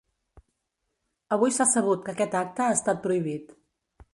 Avui s’ha sabut que aquest acte ha estat prohibit.